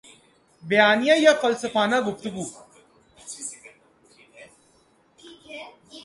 بیانیہ یا فلسفانہ گفتگو